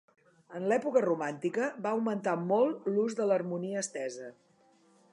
En l'època romàntica va augmentar molt l'ús de l'harmonia estesa.